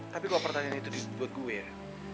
tapi kalo pertanyaan itu dibuat gue ya